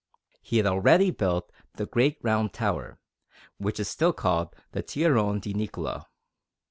He had already built the Great Round Tower, which is still called the Torrione di Niccola.